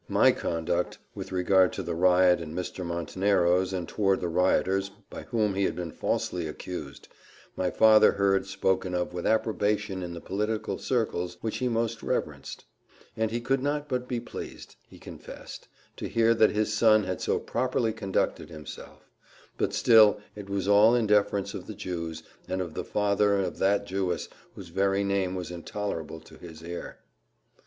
My conduct, with regard to the riot at Mr. Montenero's, and towards the rioters, by whom he had been falsely accused, my father heard spoken of with approbation in the political circles which he most reverenced; and he could not but be pleased, he confessed, to hear that his son had so properly conducted himself: but still it was all in defence of the Jews, and of the father of that Jewess whose very name was intolerable to his ear.